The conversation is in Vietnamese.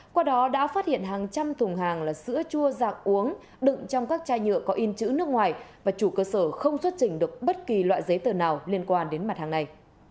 qua đó đã phát hiện hàng trăm thùng hàng là sữa chua dạng uống đựng trong các chai nhựa có in chữ nước ngoài và chủ cơ sở không xuất trình được bất kỳ loại giấy tờ nào liên quan đến mặt hàng này